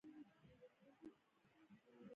بلشویکانو په روسیه کې ځپونکي بنسټونه سمبال کړل.